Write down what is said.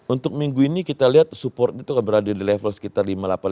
untuk minggu ini kita lihat support itu akan berada di level sekitar lima ribu delapan ratus lima puluh